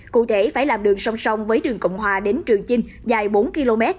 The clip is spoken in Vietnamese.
cụ thể phải làm đường song song với đường cộng hòa đến trường chinh dài bốn km